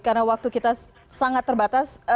karena waktu kita sangat terbatas